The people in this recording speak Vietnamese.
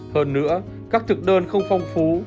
hơn nữa các thực đơn không phong phú